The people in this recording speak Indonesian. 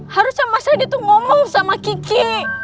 harusnya mas randy tuh ngomong sama kiki